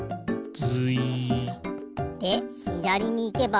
ズイッ。でひだりにいけば。